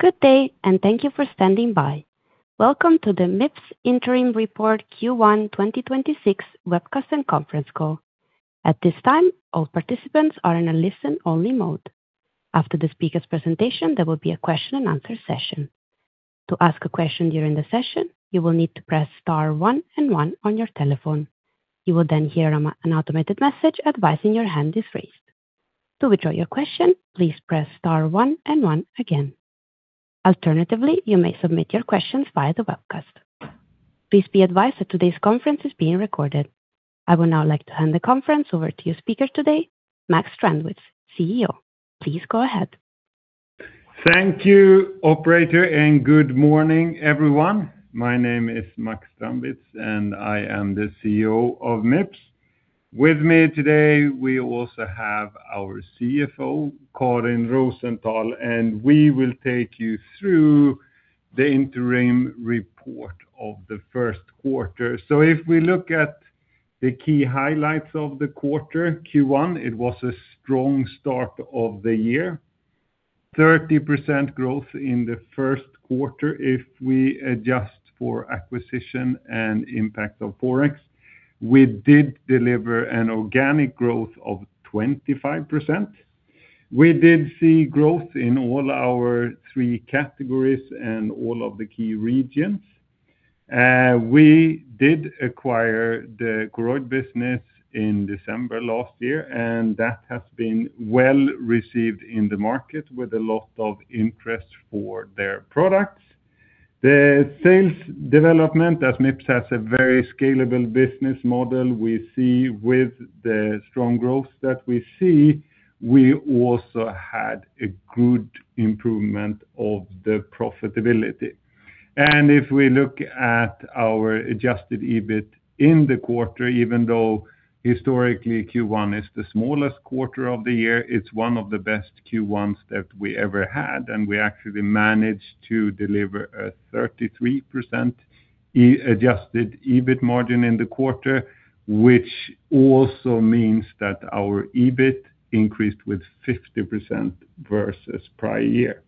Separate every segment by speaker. Speaker 1: Good day, and thank you for standing by. Welcome to the Mips Interim Report Q1 2026 Webcast and Conference Call. At this time, all participants are in a listen-only mode. After the speaker's presentation, there will be a question and answer session. To ask a question during the session, you will need to press star one and one on your telephone. You will then hear an automated message advising your hand is raised. To withdraw your question, please press star one and one again. Alternatively, you may submit your questions via the webcast. Please be advised that today's conference is being recorded. I would now like to hand the conference over to your speaker today, Max Strandwitz, CEO. Please go ahead.
Speaker 2: Thank you operator, and good morning, everyone. My name is Max Strandwitz, and I am the CEO of Mips. With me today, we also have our CFO, Karin Rosenthal, and we will take you through the interim report of the first quarter. If we look at the key highlights of the quarter, Q1, it was a strong start of the year. 30% growth in the first quarter if we adjust for acquisition and impact of Forex. We did deliver an organic growth of 25%. We did see growth in all our three categories and all of the key regions. We did acquire the Koroyd business in December last year, and that has been well-received in the market with a lot of interest for their products. The sales development at Mips has a very scalable business model. With the strong growth that we see, we also had a good improvement of the profitability. If we look at our Adjusted EBIT in the quarter, even though historically Q1 is the smallest quarter of the year, it's one of the best Q1s that we ever had, and we actually managed to deliver a 33% Adjusted EBIT margin in the quarter, which also means that our EBIT increased with 50% versus prior year.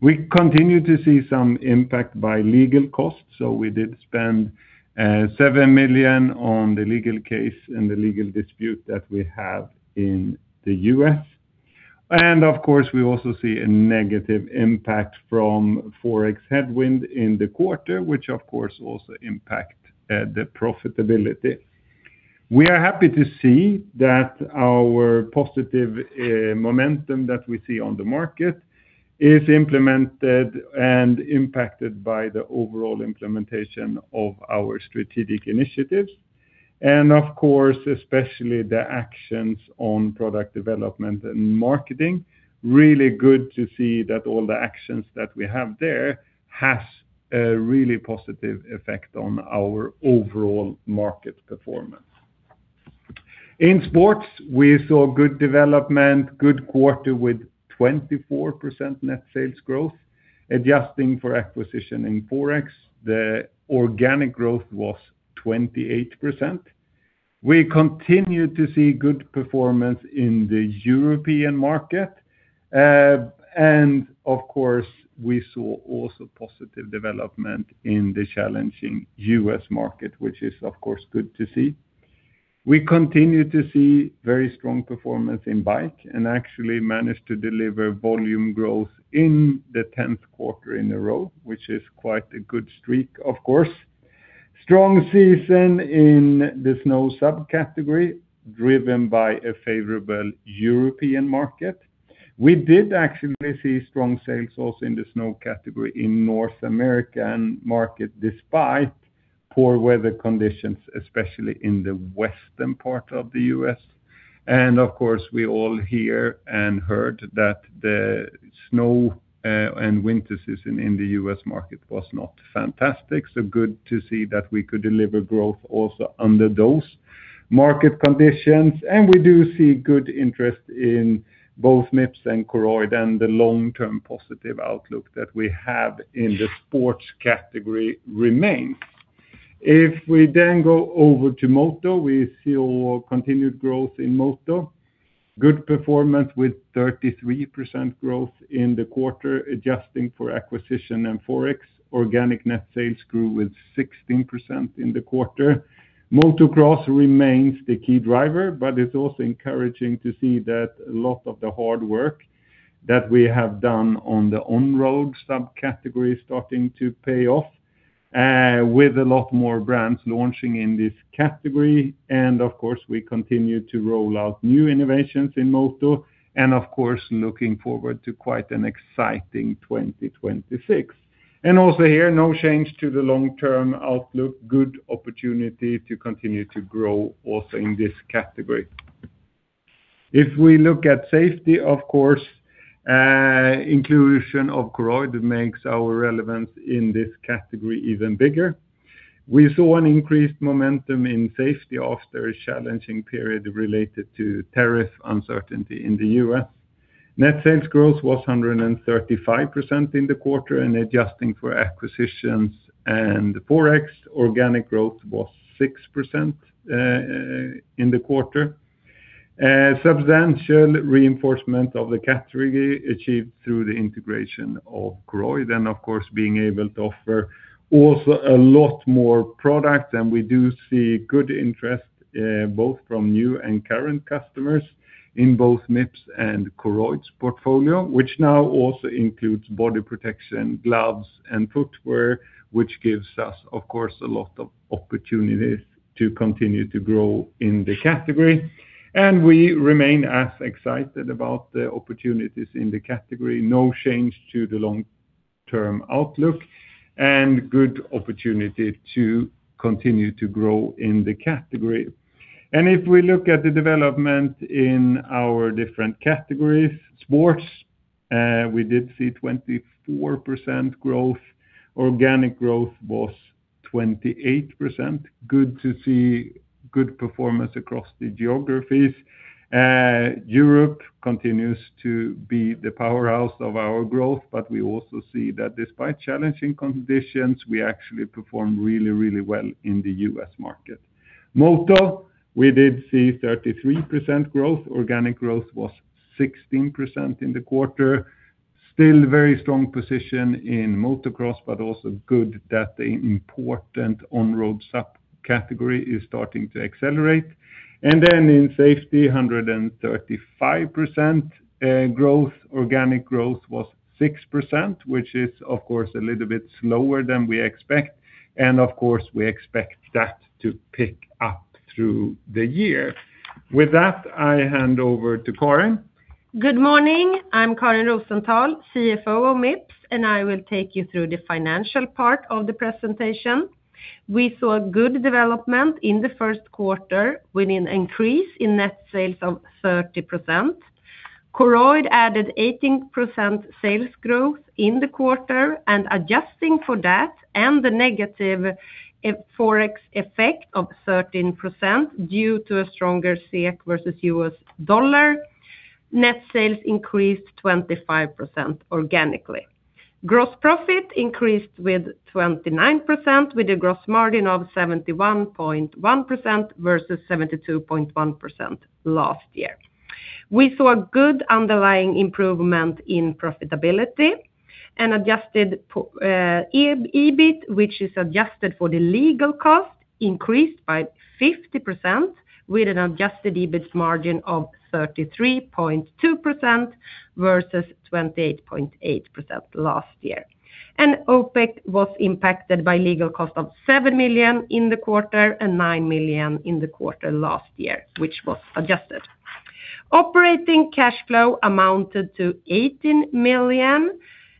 Speaker 2: We continue to see some impact by legal costs, so we did spend 7 million on the legal case and the legal dispute that we have in the U.S. Of course, we also see a negative impact from Forex headwind in the quarter, which of course also impact the profitability. We are happy to see that our positive momentum that we see on the market is implemented and impacted by the overall implementation of our strategic initiatives, and of course, especially the actions on product development and marketing. Really good to see that all the actions that we have there has a really positive effect on our overall market performance. In sports, we saw good development, good quarter with 24% net sales growth. Adjusting for acquisition in Forex, the organic growth was 28%. We continue to see good performance in the European market. Of course, we saw also positive development in the challenging US market, which is, of course, good to see. We continue to see very strong performance in bike and actually managed to deliver volume growth in the 10th quarter in a row, which is quite a good streak, of course. Strong season in the snow subcategory, driven by a favorable European market. We did actually see strong sales also in the snow category in North American market despite poor weather conditions, especially in the western part of the U.S. Of course, we all hear and heard that the snow and winter season in the US market was not fantastic. Good to see that we could deliver growth also under those market conditions. We do see good interest in both Mips and Koroyd, and the long-term positive outlook that we have in the sports category remains. If we then go over to moto, we see continued growth in moto. Good performance with 33% growth in the quarter, adjusting for acquisition and Forex. Organic net sales grew with 16% in the quarter. Motocross remains the key driver, but it's also encouraging to see that a lot of the hard work that we have done on the on-road subcategory is starting to pay off, with a lot more brands launching in this category. Of course, we continue to roll out new innovations in moto, and of course, looking forward to quite an exciting 2026. Also here, no change to the long-term outlook. Good opportunity to continue to grow also in this category. If we look at safety, of course, inclusion of Koroyd makes our relevance in this category even bigger. We saw an increased momentum in safety after a challenging period related to tariff uncertainty in the U.S. Net sales growth was 135% in the quarter, and adjusting for acquisitions and Forex, organic growth was 6% in the quarter. A substantial reinforcement of the category achieved through the integration of Koroyd, and of course, being able to offer also a lot more product. We do see good interest both from new and current customers in both Mips and Koroyd's portfolio, which now also includes body protection gloves and footwear, which gives us, of course, a lot of opportunities to continue to grow in the category. We remain as excited about the opportunities in the category. No change to the long-term outlook and good opportunity to continue to grow in the category. If we look at the development in our different categories, sports, we did see 24% growth. Organic growth was 28%. Good to see good performance across the geographies. Europe continues to be the powerhouse of our growth, but we also see that despite challenging conditions, we actually perform really well in the US market. Moto, we did see 33% growth. Organic growth was 16% in the quarter. Still very strong position in motocross, but also good that the important on-road subcategory is starting to accelerate. In safety, 135% growth. Organic growth was 6%, which is, of course, a little bit slower than we expect. Of course, we expect that to pick up through the year. With that, I hand over to Karin.
Speaker 3: Good morning. I'm Karin Rosenthal, CFO of Mips, and I will take you through the financial part of the presentation. We saw good development in the first quarter with an increase in net sales of 30%. Koroyd added 18% sales growth in the quarter, and adjusting for that and the negative Forex effect of 13% due to a stronger SEK versus US dollar, net sales increased 25% organically. Gross profit increased with 29%, with a gross margin of 71.1% versus 72.1% last year. We saw a good underlying improvement in profitability and Adjusted EBIT, which is adjusted for the legal cost, increased by 50%, with an Adjusted EBIT margin of 33.2% versus 28.8% last year. OpEx was impacted by legal cost of 7 million in the quarter and 9 million in the quarter last year, which was adjusted. Operating cash flow amounted to 18 million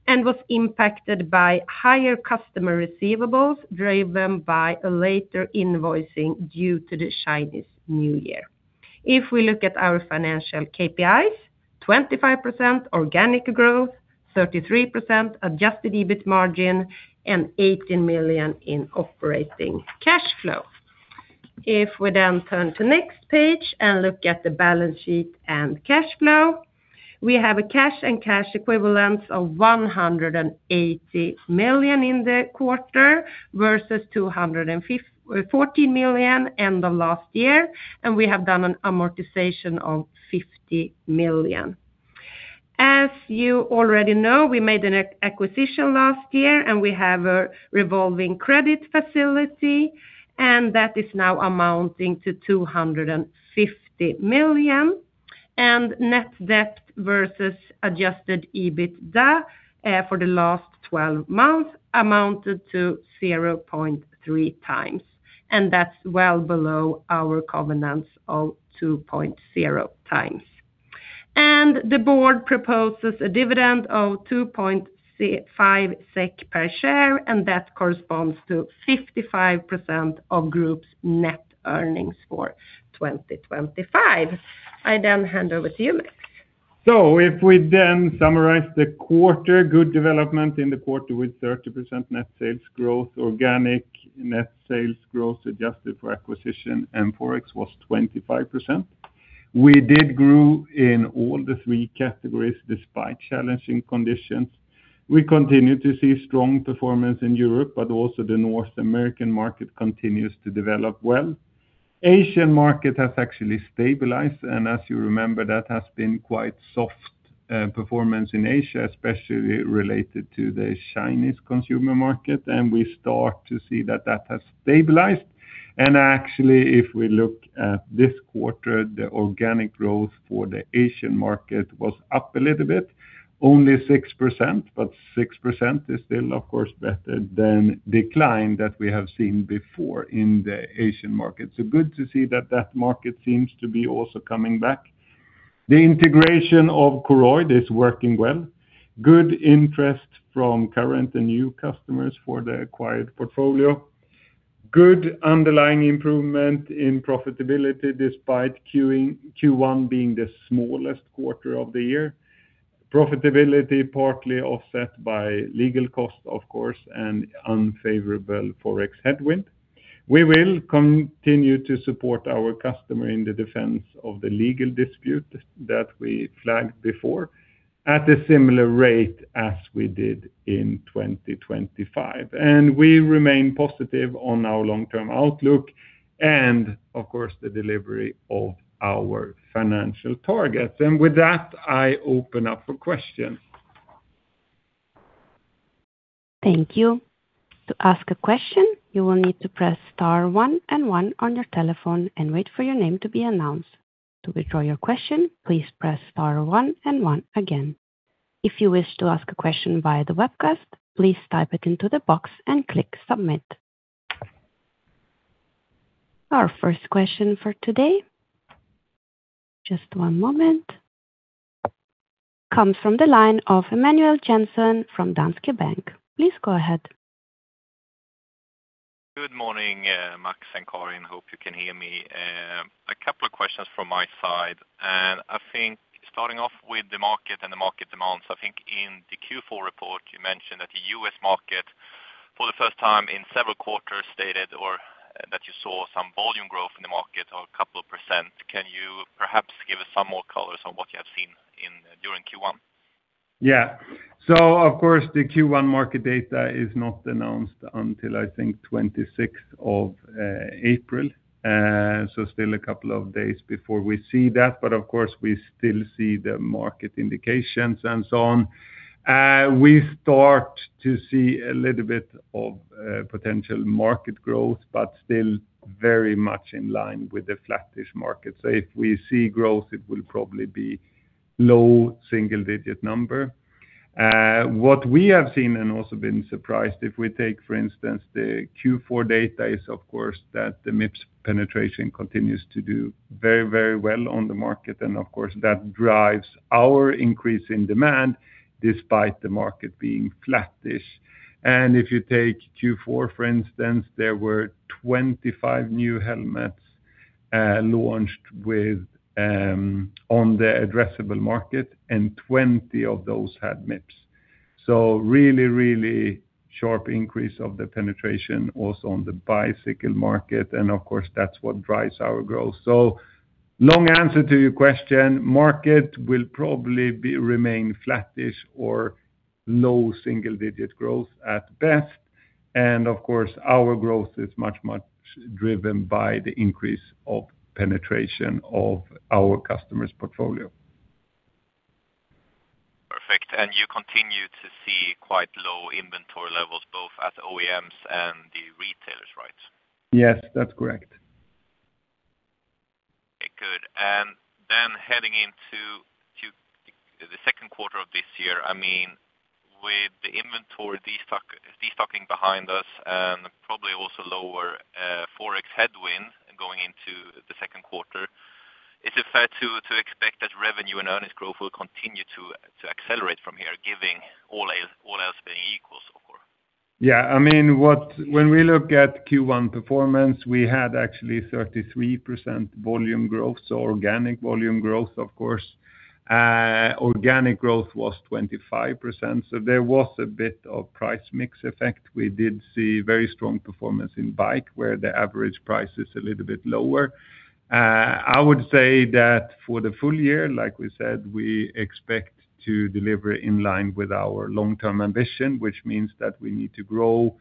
Speaker 3: and was impacted by higher customer receivables, driven by a later invoicing due to the Chinese New Year. If we look at our financial KPIs, 25% organic growth, 33% Adjusted EBIT margin, and 18 million in operating cash flow. If we then turn to next page and look at the balance sheet and cash flow, we have a cash and cash equivalent of 180 million in the quarter versus 214 million end of last year. We have done an amortization of 50 million. As you already know, we made an acquisition last year and we have a revolving credit facility, and that is now amounting to 250 million. Net debt versus Adjusted EBITDA for the last 12 months amounted to 0.3x. That's well below our covenants of 2.0x The board proposes a dividend of 2.5 SEK per share, and that corresponds to 55% of the group's net earnings for 2025. I hand over to you.
Speaker 2: If we then summarize the quarter, good development in the quarter with 30% net sales growth, organic net sales growth adjusted for acquisition and Forex was 25%. We did grow in all the three categories despite challenging conditions. We continue to see strong performance in Europe, but also the North American market continues to develop well. Asian market has actually stabilized, and as you remember, that has been quite soft performance in Asia, especially related to the Chinese consumer market, and we start to see that that has stabilized. Actually, if we look at this quarter, the organic growth for the Asian market was up a little bit, only 6%, but 6% is still, of course, better than decline that we have seen before in the Asian market. Good to see that that market seems to be also coming back. The integration of Koroyd is working well. Good interest from current and new customers for the acquired portfolio. Good underlying improvement in profitability despite Q1 being the smallest quarter of the year. Profitability partly offset by legal cost, of course, and unfavorable Forex headwind. We will continue to support our customer in the defense of the legal dispute that we flagged before. At a similar rate as we did in 2025. We remain positive on our long-term outlook and, of course, the delivery of our financial targets. With that, I open up for questions.
Speaker 1: Thank you. To ask a question, you will need to press star one and one on your telephone and wait for your name to be announced. To withdraw your question, please press star one and one again. If you wish to ask a question via the webcast, please type it into the box and click submit. Our first question for today, just one moment, comes from the line of Emanuel Jansson from Danske Bank. Please go ahead.
Speaker 4: Good morning, Max and Karin. Hope you can hear me. A couple of questions from my side. I think starting off with the market and the market demands, I think in the Q4 report, you mentioned that, for the first time in several quarters, you saw some volume growth in the US market of a couple of percent. Can you perhaps give us some more colors on what you have seen during Q1?
Speaker 2: Yeah. Of course, the Q1 market data is not announced until, I think, 26th of April. Still a couple of days before we see that, but of course, we still see the market indications and so on. We start to see a little bit of potential market growth, but still very much in line with the flattish market. If we see growth, it will probably be low single-digit number. What we have seen and also been surprised if we take, for instance, the Q4 data is, of course, that the Mips penetration continues to do very well on the market. Of course, that drives our increase in demand despite the market being flattish. If you take Q4, for instance, there were 25 new helmets launched on the addressable market, and 20 of those had Mips. Really sharp increase of the penetration also on the bicycle market, and of course, that's what drives our growth. Long answer to your question, market will probably remain flattish or low single-digit growth at best. Of course, our growth is much driven by the increase of penetration of our customers' portfolio.
Speaker 4: Perfect. You continue to see quite low inventory levels, both at OEMs and the retailers, right?
Speaker 2: Yes, that's correct.
Speaker 4: Okay, good. Heading into the second quarter of this year, with the inventory de-stocking behind us and probably also lower Forex headwind going into the second quarter, is it fair to expect that revenue and earnings growth will continue to accelerate from here, giving all else being equal, of course?
Speaker 2: Yeah. When we look at Q1 performance, we had actually 33% volume growth, so organic volume growth, of course. Organic growth was 25%, so there was a bit of price mix effect. We did see very strong performance in bike, where the average price is a little bit lower. I would say that for the full year, like we said, we expect to deliver in line with our long-term ambition, which means that we need to grow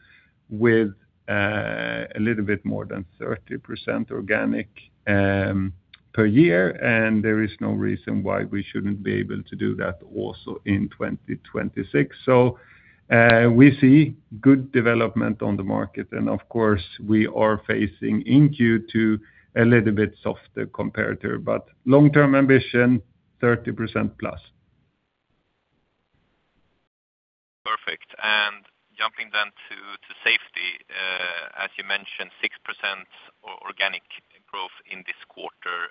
Speaker 2: with a little bit more than 30% organic per year, and there is no reason why we shouldn't be able to do that also in 2026. We see good development on the market. Of course, we are facing in Q2 a little bit softer comparator, but long-term ambition, 30%+.
Speaker 4: Perfect. Jumping then to safety, as you mentioned, 6% organic growth in this quarter.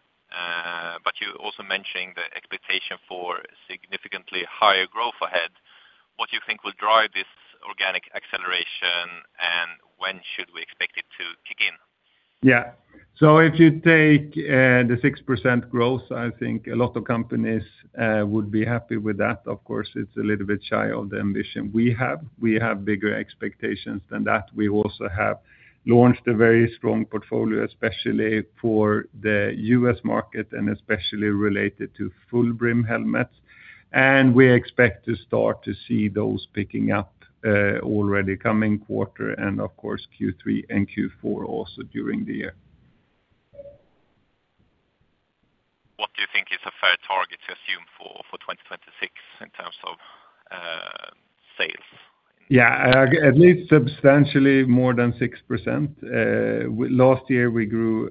Speaker 4: You're also mentioning the expectation for significantly higher growth ahead. What do you think will drive this organic acceleration, and when should we expect it to kick in?
Speaker 2: Yeah. If you take the 6% growth, I think a lot of companies would be happy with that. Of course, it's a little bit shy of the ambition we have. We have bigger expectations than that. We also have launched a very strong portfolio, especially for the US market and especially related to full brim helmets. We expect to start to see those picking up already coming quarter and of course, Q3 and Q4 also during the year.
Speaker 4: What do you think is a fair target to assume for 2026 in terms of sales?
Speaker 2: Yeah. At least substantially more than 6%. Last year we grew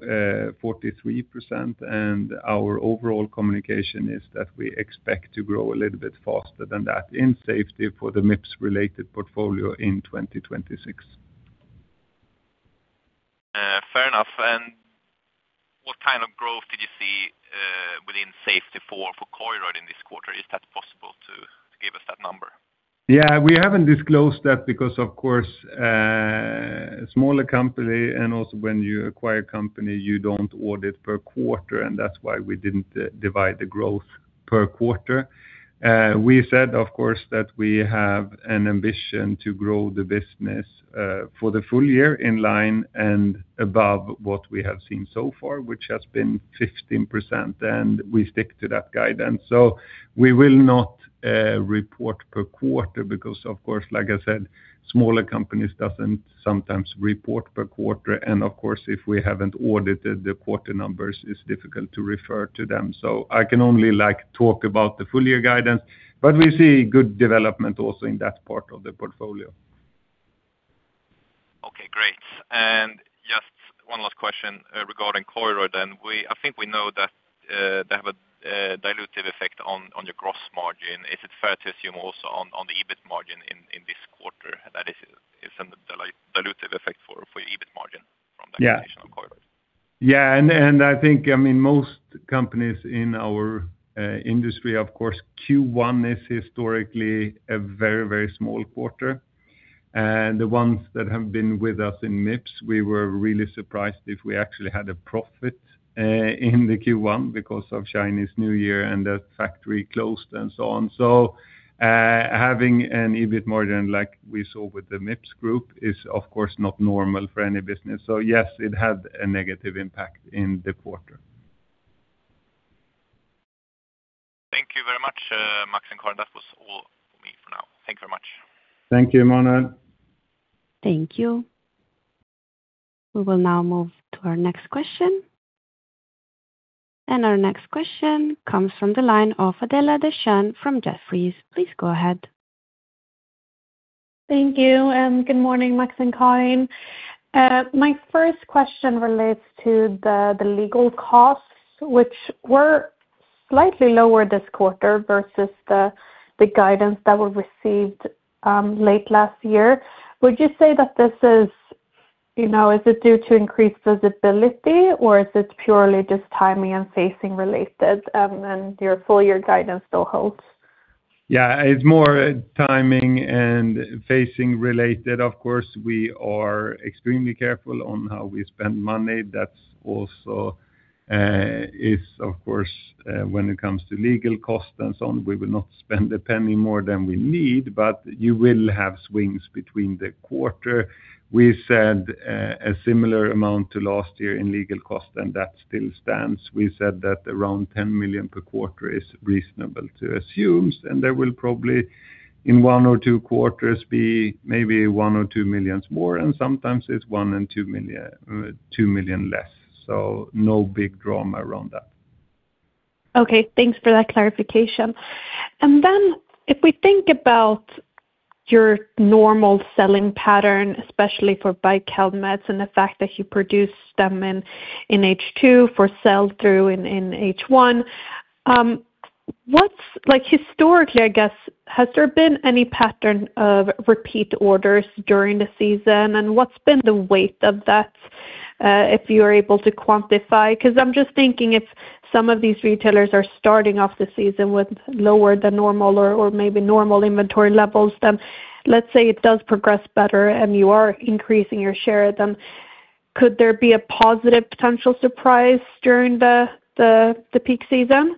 Speaker 2: 43% and our overall communication is that we expect to grow a little bit faster than that in safety for the Mips-related portfolio in 2026.
Speaker 4: Fair enough. What kind of growth did you see within safety for Koroyd in this quarter? Is that possible to give us that number?
Speaker 2: Yeah. We haven't disclosed that because, of course, a smaller company, and also when you acquire a company, you don't audit per quarter, and that's why we didn't divide the growth per quarter. We said, of course, that we have an ambition to grow the business for the full year in line and above what we have seen so far, which has been 15%, and we stick to that guidance. We will not report per quarter because, of course, like I said, smaller companies doesn't sometimes report per quarter. Of course, if we haven't audited the quarter numbers, it's difficult to refer to them. I can only talk about the full year guidance, but we see good development also in that part of the portfolio.
Speaker 4: Okay, great. Just one last question regarding Koroyd then. I think we know that they have a dilutive effect on your gross margin. Is it fair to assume also on the EBIT margin in this quarter, that is some dilutive effect for your EBIT margin from the acquisition of Koroyd?
Speaker 2: Yeah. I think most companies in our industry, of course, Q1 is historically a very, very small quarter. The ones that have been with us in Mips, we were really surprised if we actually had a profit in the Q1 because of Chinese New Year and the factory closed and so on. Having an EBIT margin like we saw with the Mips group is, of course, not normal for any business. Yes, it had a negative impact in the quarter.
Speaker 4: Thank you very much, Max and Karin. That was all for me for now. Thank you very much.
Speaker 2: Thank you, Emanuel.
Speaker 1: Thank you. We will now move to our next question. Our next question comes from the line of Adela Dashian from Jefferies. Please go ahead.
Speaker 5: Thank you. Good morning, Max and Karin. My first question relates to the legal costs, which were slightly lower this quarter versus the guidance that we received late last year. Would you say that this is it due to increased visibility or is this purely just timing and phasing related, and your full-year guidance still holds?
Speaker 2: Yeah, it's more timing and phasing related. Of course, we are extremely careful on how we spend money. That also is, of course, when it comes to legal cost and so on, we will not spend a penny more than we need, but you will have swings between quarters. We said a similar amount to last year in legal cost, and that still stands. We said that around 10 million per quarter is reasonable to assume, and there will probably, in one or two quarters, be maybe 1-2 million more, and sometimes it's 1-2 million less. No big drama around that.
Speaker 5: Okay, thanks for that clarification. Then if we think about your normal selling pattern, especially for bike helmets and the fact that you produce them in H2 for sell through in H1. Historically, I guess, has there been any pattern of repeat orders during the season? What's been the weight of that if you're able to quantify? Because I'm just thinking if some of these retailers are starting off the season with lower than normal or maybe normal inventory levels, then let's say it does progress better and you are increasing your share then, could there be a positive potential surprise during the peak season?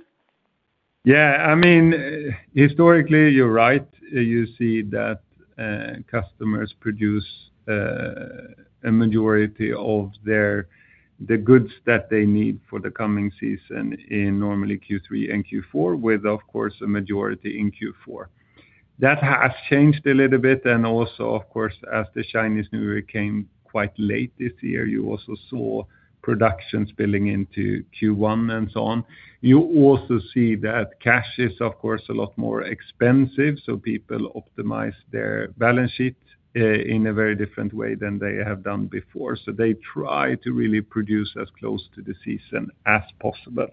Speaker 2: Yeah. Historically, you're right. You see that customers produce a majority of the goods that they need for the coming season in normally Q3 and Q4, with, of course, a majority in Q4. That has changed a little bit, and also, of course, as the Chinese New Year came quite late this year, you also saw production spilling into Q1 and so on. You also see that cash is, of course, a lot more expensive, so people optimize their balance sheet in a very different way than they have done before. They try to really produce as close to the season as possible.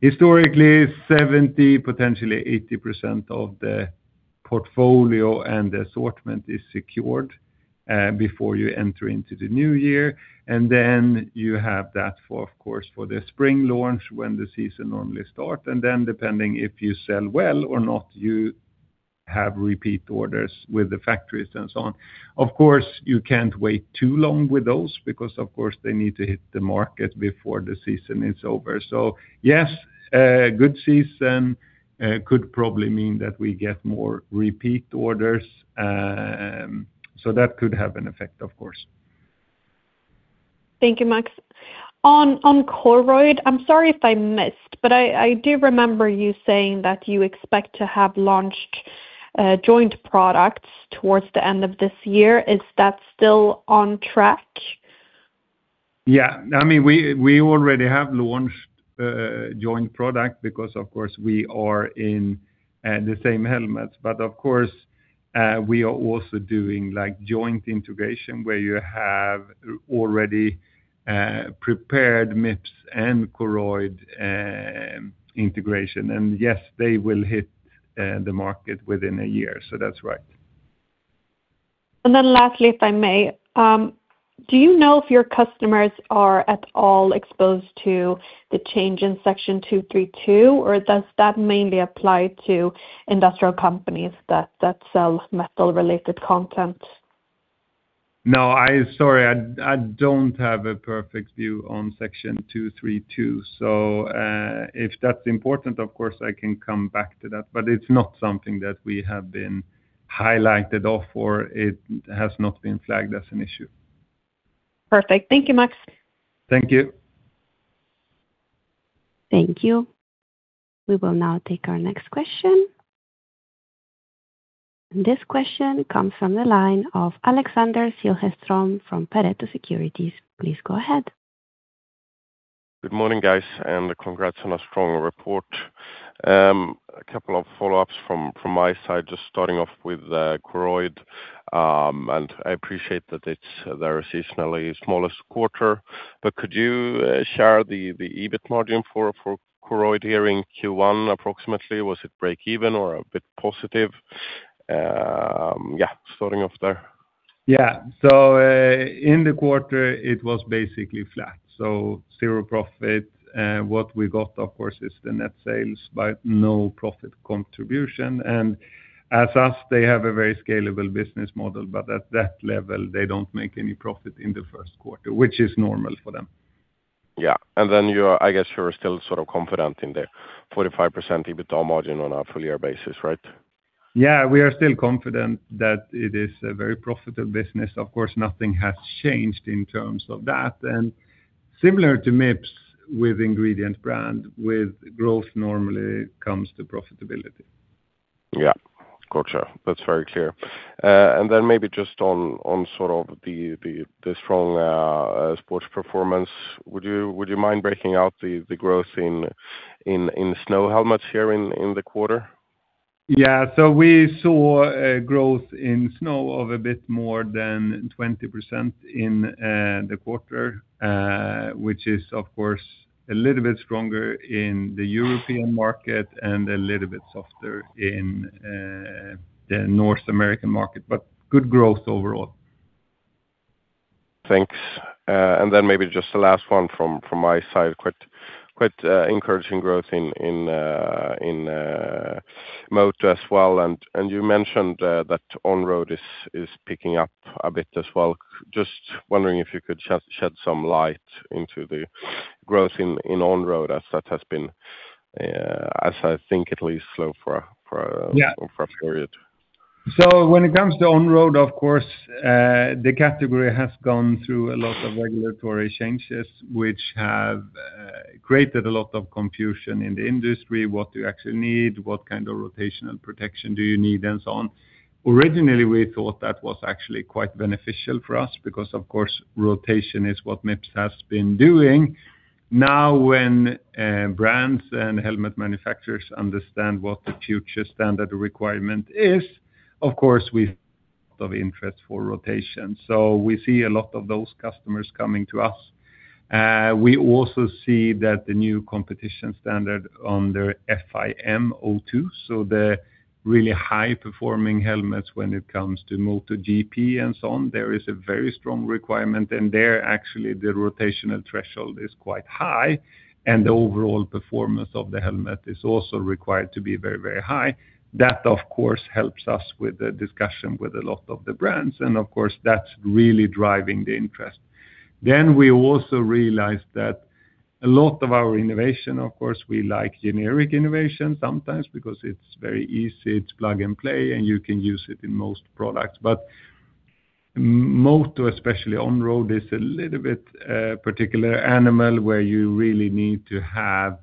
Speaker 2: Historically, 70%, potentially 80% of the portfolio and the assortment is secured before you enter into the new year. Then you have that for, of course, for the spring launch when the season normally start. Then depending if you sell well or not, you have repeat orders with the factories and so on. Of course, you can't wait too long with those because, of course, they need to hit the market before the season is over. Yes, good season could probably mean that we get more repeat orders. That could have an effect, of course.
Speaker 5: Thank you, Max. On Koroyd, I'm sorry if I missed, but I do remember you saying that you expect to have launched joint products towards the end of this year. Is that still on track?
Speaker 2: Yeah. We already have launched a joint product because, of course, we are in the same helmets. But of course, we are also doing joint integration where you have already prepared Mips and Koroyd integration. Yes, they will hit the market within a year. That's right.
Speaker 5: Lastly, if I may. Do you know if your customers are at all exposed to the change in Section 232, or does that mainly apply to industrial companies that sell metal-related content?
Speaker 2: No, sorry, I don't have a perfect view on Section 232. If that's important, of course, I can come back to that, but it's not something that we have been highlighted of, or it has not been flagged as an issue.
Speaker 5: Perfect. Thank you, Max.
Speaker 2: Thank you.
Speaker 1: Thank you. We will now take our next question. This question comes from the line of Alexander Siljeström from Pareto Securities. Please go ahead.
Speaker 6: Good morning, guys, and congrats on a strong report. A couple of follow-ups from my side, just starting off with Koroyd. I appreciate that it's their seasonally smallest quarter, but could you share the EBIT margin for Koroyd here in Q1 approximately? Was it break even or a bit positive? Yeah, starting off there.
Speaker 2: Yeah. In the quarter it was basically flat, so zero profit. What we got, of course, is the net sales but no profit contribution. As usual, they have a very scalable business model, but at that level, they don't make any profit in the first quarter, which is normal for them.
Speaker 6: Yeah. I guess you're still sort of confident in the 45% EBITA margin on a full year basis, right?
Speaker 2: Yeah, we are still confident that it is a very profitable business. Of course, nothing has changed in terms of that. Similar to Mips with ingredient brand, with growth normally comes the profitability.
Speaker 6: Yeah, got you. That's very clear. Maybe just on sort of the strong sports performance, would you mind breaking out the growth in snow helmets here in the quarter?
Speaker 2: Yeah. We saw a growth in snow of a bit more than 20% in the quarter, which is, of course, a little bit stronger in the European market and a little bit softer in the North American market, but good growth overall.
Speaker 6: Thanks. Maybe just the last one from my side, quite encouraging growth in Moto as well, and you mentioned that on-road is picking up a bit as well. Just wondering if you could shed some light into the growth in on-road as that has been, as I think at least, slow for a period.
Speaker 2: When it comes to on-road, of course, the category has gone through a lot of regulatory changes which have created a lot of confusion in the industry. What do you actually need, what kind of rotational protection do you need, and so on. Originally, we thought that was actually quite beneficial for us because, of course, rotation is what Mips has been doing. Now, when brands and helmet manufacturers understand what the future standard requirement is, of course, we have a lot of interest for rotation, so we see a lot of those customers coming to us. We also see that the new competition standard under FIM O2, so the really high-performing helmets when it comes to MotoGP and so on, there is a very strong requirement. There, actually, the rotational threshold is quite high, and the overall performance of the helmet is also required to be very high. That, of course, helps us with the discussion with a lot of the brands, and of course, that's really driving the interest. We also realized that a lot of our innovation, of course, we like generic innovation sometimes because it's very easy, it's plug and play, and you can use it in most products. Moto, especially on-road, is a little bit particular animal, where you really need to have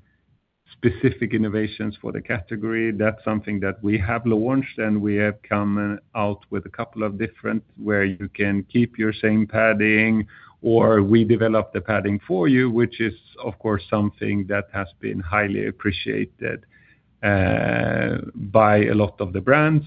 Speaker 2: specific innovations for the category. That's something that we have launched, and we have come out with a couple of different, where you can keep your same padding or we develop the padding for you, which is, of course, something that has been highly appreciated by a lot of the brands.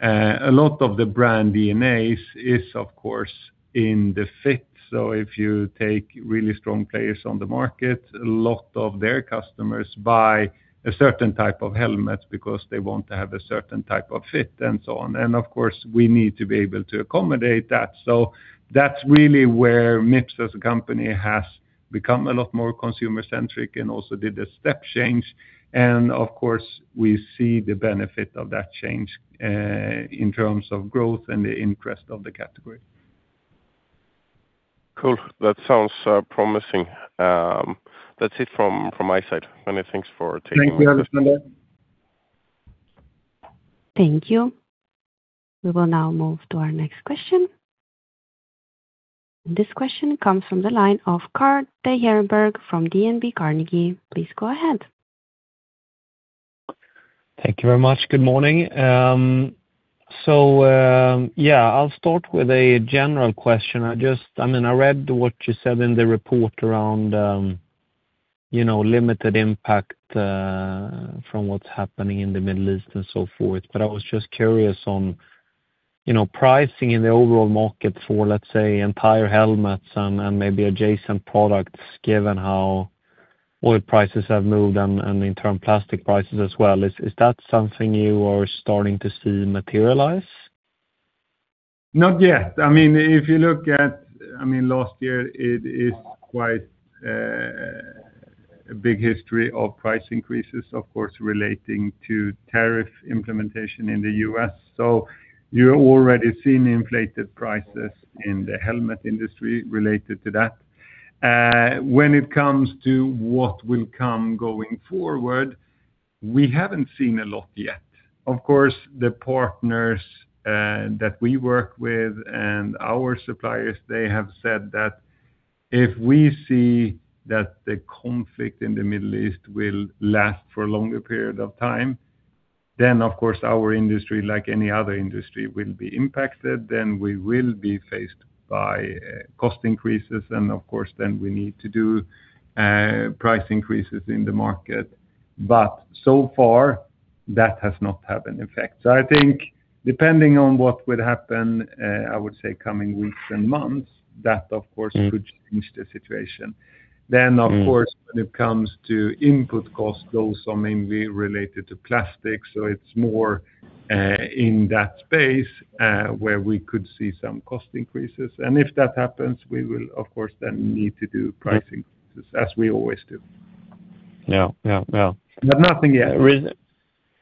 Speaker 2: A lot of the brand DNAs is, of course, in the fit. If you take really strong players on the market, a lot of their customers buy a certain type of helmet because they want to have a certain type of fit, and so on. Of course, we need to be able to accommodate that. That's really where Mips, as a company, has become a lot more consumer-centric and also did a step change. Of course, we see the benefit of that change in terms of growth and the interest of the category.
Speaker 6: Cool. That sounds promising. That's it from my side. Many thanks for taking my question.
Speaker 2: Thank you, Alexander.
Speaker 1: Thank you. We will now move to our next question. This question comes from the line of Carl Deijenberg from DNB Carnegie. Please go ahead.
Speaker 7: Thank you very much. Good morning. Yeah, I'll start with a general question. I read what you said in the report around limited impact from what's happening in the Middle East and so forth, but I was just curious on pricing in the overall market for, let's say, entire helmets and maybe adjacent products, given how oil prices have moved and in turn, plastic prices as well. Is that something you are starting to see materialize?
Speaker 2: Not yet. If you look at last year, it is quite a big history of price increases, of course, relating to tariff implementation in the U.S. You're already seeing inflated prices in the helmet industry related to that. When it comes to what will come going forward, we haven't seen a lot yet. Of course, the partners that we work with and our suppliers, they have said that if we see that the conflict in the Middle East will last for a longer period of time, then of course our industry, like any other industry, will be impacted. We will be faced by cost increases and, of course, then we need to do price increases in the market. So far that has not had an effect. I think depending on what would happen, I would say coming weeks and months, that, of course, could change the situation. Of course, when it comes to input costs, those are mainly related to plastic. It's more in that space, where we could see some cost increases. If that happens, we will of course then need to do price increases as we always do.
Speaker 7: Yeah.
Speaker 2: Nothing yet.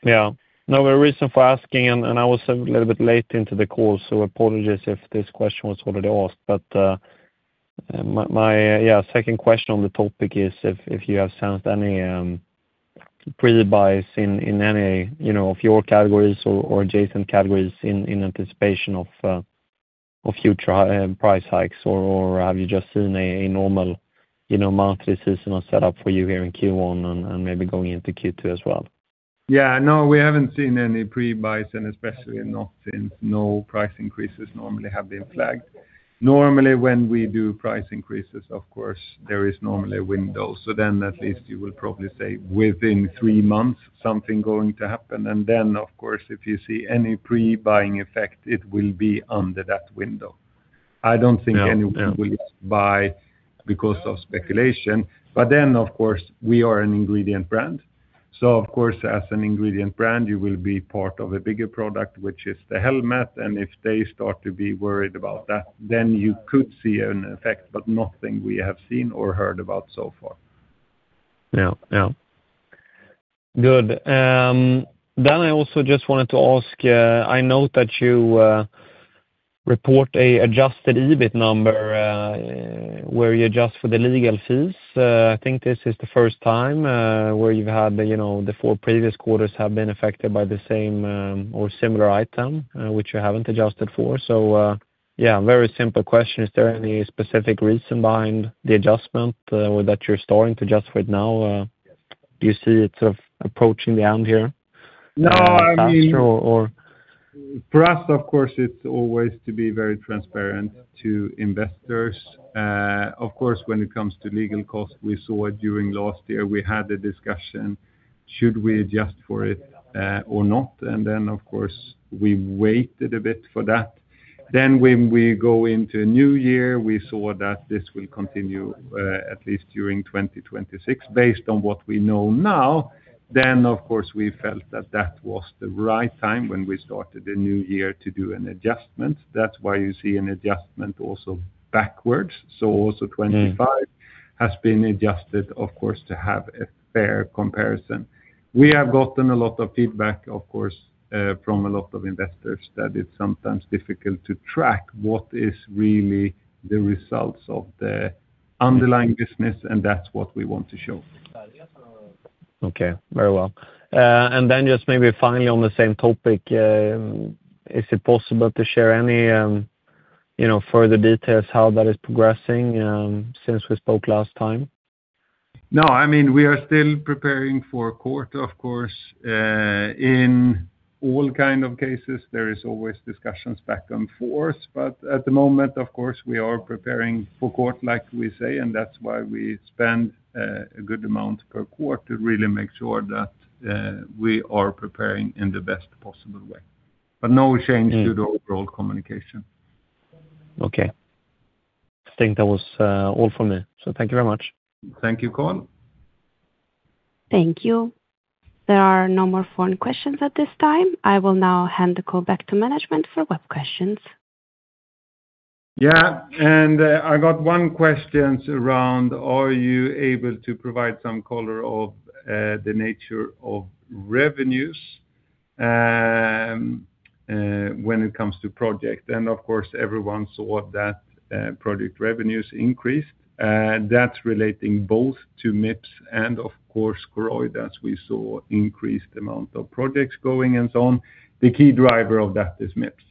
Speaker 7: Yeah. No, the reason for asking, and I was a little bit late into the call, so apologies if this question was already asked, but, my second question on the topic is if you have sensed any pre-buys in any of your categories or adjacent categories in anticipation of future price hikes, or have you just seen a normal monthly seasonal set up for you here in Q1 and maybe going into Q2 as well?
Speaker 2: Yeah, no, we haven't seen any pre-buys and especially no price increases normally have been flagged. Normally when we do price increases, of course, there is normally a window, so then at least you will probably say within three months something going to happen. Then, of course, if you see any pre-buying effect, it will be under that window. I don't think anyone will buy because of speculation. Of course, we are an ingredient brand. Of course, as an ingredient brand, you will be part of a bigger product, which is the helmet, and if they start to be worried about that, then you could see an effect. Nothing we have seen or heard about so far.
Speaker 7: Yeah. Good. I also just wanted to ask, I note that you report an Adjusted EBIT number, where you adjust for the legal fees. I think this is the first time, where you've had the four previous quarters have been affected by the same or similar item, which you haven't adjusted for. Very simple question. Is there any specific reason behind the adjustment that you're starting to adjust for it now? Do you see it approaching the end here?
Speaker 2: No.
Speaker 7: Faster, or?
Speaker 2: For us, of course, it's always to be very transparent to investors. Of course, when it comes to legal costs, we saw during last year we had a discussion should we adjust for it or not? Of course, we waited a bit for that. When we go into a new year, we saw that this will continue at least during 2026 based on what we know now. Of course we felt that that was the right time when we started a new year to do an adjustment. That's why you see an adjustment also backwards. Also 2025 has been adjusted of course to have a fair comparison. We have gotten a lot of feedback of course from a lot of investors that it's sometimes difficult to track what is really the results of the underlying business and that's what we want to show.
Speaker 7: Okay, very well. Just maybe finally on the same topic, is it possible to share any further details how that is progressing since we spoke last time?
Speaker 2: No, we are still preparing for court of course. In all kind of cases there is always discussions back and forth, but at the moment, of course, we are preparing for court like we say, and that's why we spend a good amount per quarter to really make sure that we are preparing in the best possible way. No change to the overall communication.
Speaker 7: Okay. I think that was all from me, so thank you very much.
Speaker 2: Thank you, Carl.
Speaker 1: Thank you. There are no more phone questions at this time. I will now hand the call back to management for web questions.
Speaker 2: Yeah, I got one question around are you able to provide some color of the nature of revenues when it comes to project? Of course everyone saw that project revenues increased. That's relating both to Mips and of course Koroyd as we saw increased amount of projects going and so on. The key driver of that is Mips.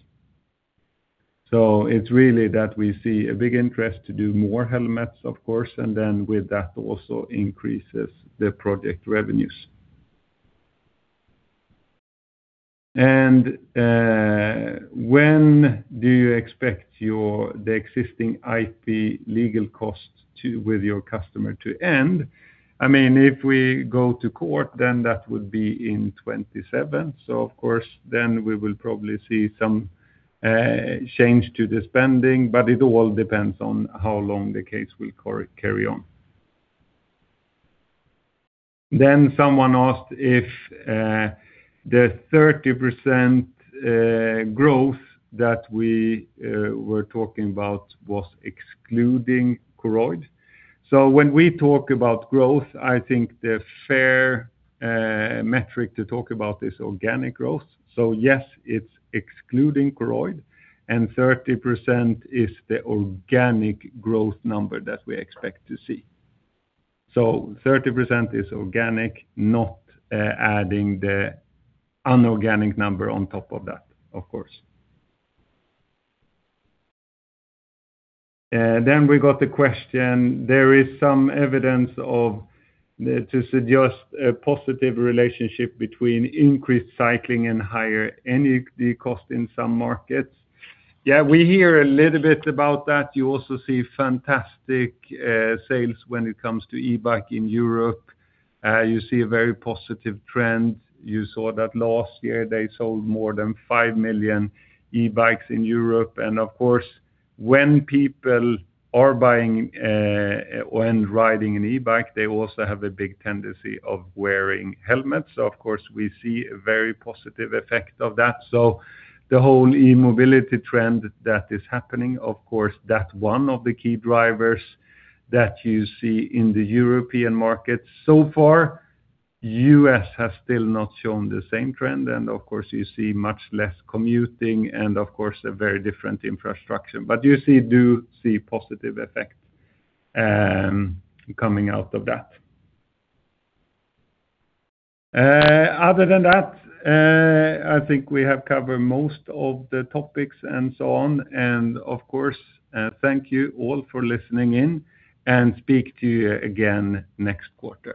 Speaker 2: It's really that we see a big interest to do more helmets of course and then with that also increases the project revenues. When do you expect the existing IP legal costs with your customer to end? If we go to court then that would be in 2027. Of course then we will probably see some change to the spending but it all depends on how long the case will carry on. Someone asked if the 30% growth that we were talking about was excluding Koroyd. When we talk about growth, I think the fair metric to talk about is organic growth. Yes, it's excluding Koroyd, and 30% is the organic growth number that we expect to see. 30% is organic, not adding the inorganic number on top of that, of course. We got the question, there is some evidence to suggest a positive relationship between increased cycling and higher energy cost in some markets. Yeah, we hear a little bit about that. You also see fantastic sales when it comes to e-bike in Europe. You see a very positive trend. You saw that last year, they sold more than 5 million e-bikes in Europe. Of course, when people are buying when riding an e-bike, they also have a big tendency of wearing helmets. Of course, we see a very positive effect of that. The whole e-mobility trend that is happening, of course, that's one of the key drivers that you see in the European market. So far, the U.S. has still not shown the same trend, and of course, you see much less commuting and, of course, a very different infrastructure. You do see positive effect coming out of that. Other than that, I think we have covered most of the topics and so on. Of course, thank you all for listening in, and speak to you again next quarter.